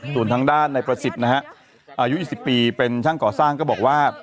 ส่วนทางด้านในประสิทธิ์นะฮะอายุ๒๐ปีเป็นช่างก่อสร้างก็บอกว่า